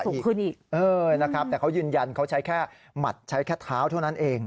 ก็จะสุขขึ้นอีกเออแต่เขายืนยันเขาใช้แค่หมัดใช้แค่เท้าเท่านั้นเอง